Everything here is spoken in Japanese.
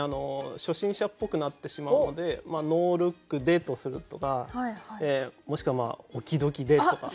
初心者っぽくなってしまうので「ノールックで」とするとかもしくは「Ｏｋｅｙ‐Ｄｏｋｅｙで」とか。